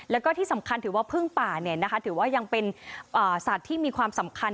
แล้วก็ที่สำคัญถือว่าพึ่งป่าถือว่ายังเป็นสัตว์ที่มีความสำคัญ